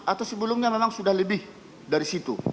atau sebelumnya memang sudah lebih dari situ